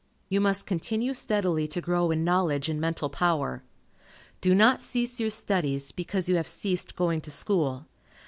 You must continue steadily to grow in knowledge and mental power. Do not cease your studies, because you have ceased going to school.